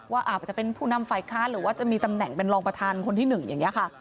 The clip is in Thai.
อาจจะเป็นผู้นำฝ่ายค้านหรือว่าจะมีตำแหน่งเป็นรองประธานคนที่๑อย่างนี้ค่ะ